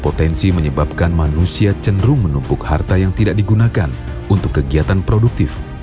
potensi menyebabkan manusia cenderung menumpuk harta yang tidak digunakan untuk kegiatan produktif